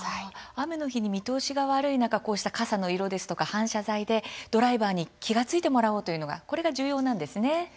雨の日に見通しが悪い中傘の色や反射材でドライバーに気が付いてもらおうというのが重要なんですね。